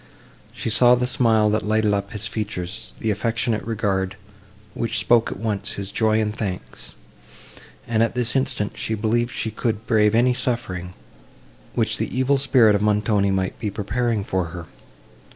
She saw the smile, that lighted up his features—the affectionate regard, which spoke at once his joy and thanks; and, at this instant, she believed she could brave any suffering, which the evil spirit of Montoni might be preparing for her.